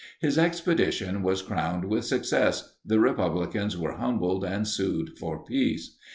His expedition was crowned with success; the republicans were humbled, and sued for peace.